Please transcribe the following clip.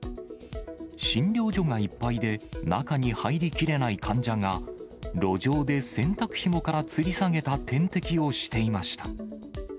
診療所がいっぱいで、中に入りきれない患者が、路上で洗濯ひもからつり下げた点滴をしていました。